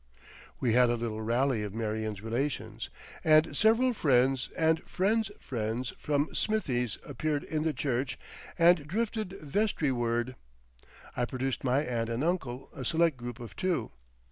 We had a little rally of Marion's relations, and several friends and friends' friends from Smithie's appeared in the church and drifted vestry ward. I produced my aunt and uncle a select group of two.